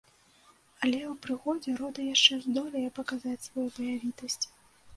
Але ў прыгодзе рота яшчэ здолее паказаць сваю баявітасць.